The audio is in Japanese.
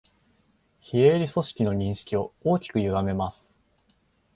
非営利組織の認識を大きくゆがめます